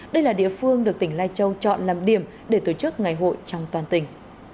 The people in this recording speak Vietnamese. đây là địa phương được tỉnh lai châu chọn làm điểm để tổ chức ngày hội trong toàn tỉnh